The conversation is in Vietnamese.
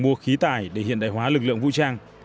mua khí tài để tăng cường vũ khí